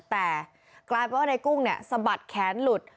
แต่กลายเป็นว่าในกุ้งเนี่ยสะบัดแขนหลุด